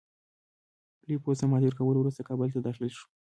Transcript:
لوی پوځ ته ماتي ورکولو وروسته کابل ته داخل شو.